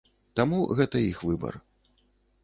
Таму гэта іх выбар.